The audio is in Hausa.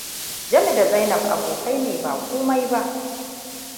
Jami da Zainab abokai ne, ba komai ba.